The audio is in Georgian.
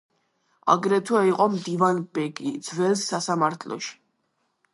აგრეთვე იყო მდივანბეგი ძველ სასამართლოში.